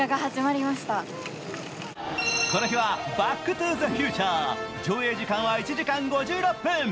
この日は「バック・トゥ・ザ・フューチャー」、上映時間は１時間５６分。